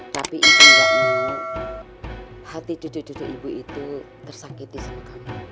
tapi ibu gak mau hati cucu cucu ibu itu tersakiti sama kamu